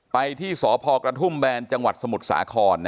ไปที่สพกระทุ่มแบนจังหวัดสมุทรสาคร